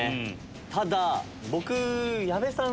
ただ僕矢部さん